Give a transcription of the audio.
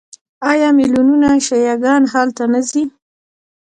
آیا میلیونونه شیعه ګان هلته نه ځي؟